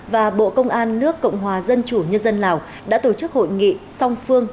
và bộ công an nước cộng hòa dân chủ nhân dân lào đã tổ chức hội nghị song phương